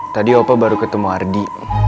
tadi opa baru ketemu ardi